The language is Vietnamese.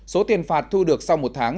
số tiền phạt thu được sau một tháng